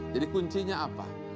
jadi kuncinya apa